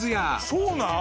そうなん！？